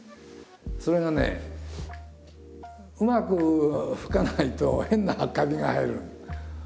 それがねうまく吹かないと変なカビが生える。